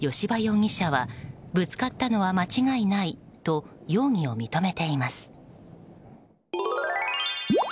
葭葉容疑者はぶつかったのは間違いないと容疑を認めています。